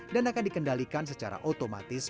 dan akan dikendalikan secara otomatis